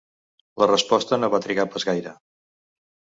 La resposta no va trigar pas gaire.